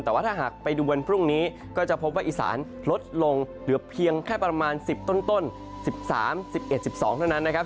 แต่ว่าถ้าหากไปดูวันพรุ่งนี้ก็จะพบว่าอีสานลดลงเหลือเพียงแค่ประมาณ๑๐ต้น๑๓๑๑๑๒เท่านั้นนะครับ